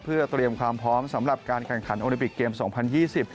เพื่อเตรียมความพร้อมสำหรับการแข่งขันโอลิปิกเกมส์๒๐๒๐